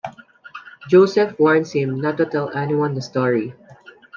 Josef warns him not to tell anyone the story.